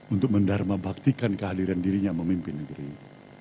untuk mendharma baktikan keahliran dirinya memimpin negeri ini